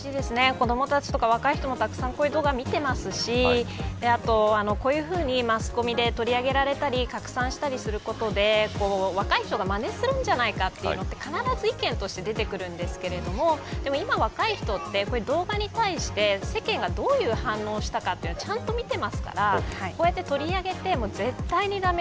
子どもたちや若い人もたくさんこういう動画見てますしこういうふうにマスコミで取り上げられたり拡散したりすることで若い人がまねするんじゃないかというのって必ず意見として出てくるんですけど今若い人って動画に対して世間がどういう反応したのかちゃんと見てますからこうやって取り上げて絶対に駄目